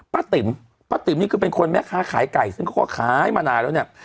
ติ๋มป้าติ๋มนี่คือเป็นคนแม่ค้าขายไก่ซึ่งเขาก็ขายมานานแล้วเนี่ย